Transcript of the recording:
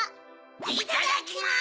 いただきます！